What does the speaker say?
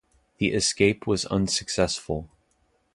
The escape was unsuccessful.